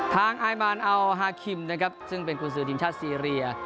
อายมานอัลฮาคิมนะครับซึ่งเป็นกุญสือทีมชาติซีเรีย